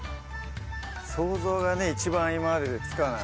想像がね一番今まででつかない。